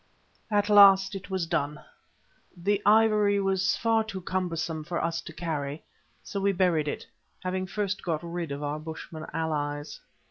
At last it was done. The ivory was far too cumbersome for us to carry, so we buried it, having first got rid of our bushmen allies.